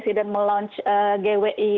badan melunc gwi